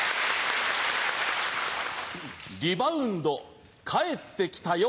リバウンド帰ってきたよ